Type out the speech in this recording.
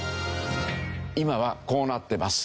今はこうなってます。